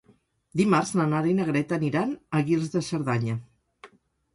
Dimarts na Nara i na Greta aniran a Guils de Cerdanya.